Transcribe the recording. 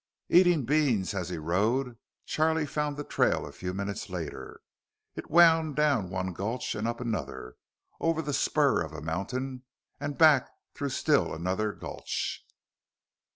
Eating beans as he rode, Charlie found the trail a few minutes later. It wound down one gulch and up another, over the spur of a mountain and back through still another gulch.